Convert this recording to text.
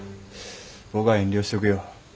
僕は遠慮しとくよ。